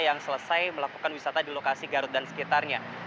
yang selesai melakukan wisata di lokasi garut dan sekitarnya